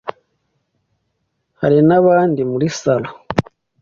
hari n’abandi muri salon